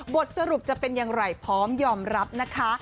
บทสรุปจะเป็นอย่างไรพร้อมยอมรับนะคะ